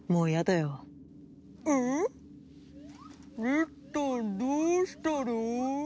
リッたんどうしたの？